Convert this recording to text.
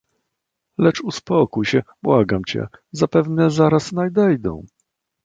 "Lecz uspokój się, błagam cię, zapewne zaraz nadejdą."